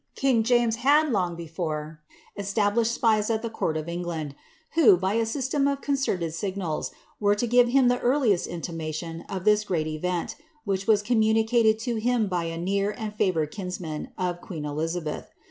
King James had, long before, established spies at the court of England, who, by a system of concerted signals, were to give him the earliest intimation of this great event, which was communicated to him by a near and favoured kinsman of queen Elizabeth.